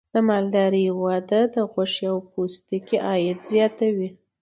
د مالدارۍ وده د غوښې او پوستکي عاید زیاتوي.